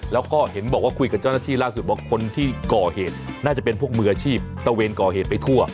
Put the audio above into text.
แล้วก็เห็นบอกว่าคุยกับเจ้าหน้าที่ล่าสุดบอกคนที่ก่อเหตุน่าจะเป็นพวกมืออาชีพตะเวนก่อเหตุไปทั่ว